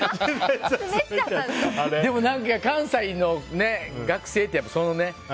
でも関西の学生って、そのね。